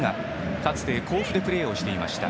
かつて甲府でプレーしていました。